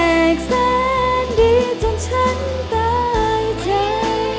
แรกแรกแสงดีจนฉันตายใจ